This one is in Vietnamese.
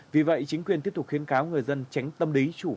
vì vậy chính quyền tiếp tục khiến cáo người dân tránh tâm lý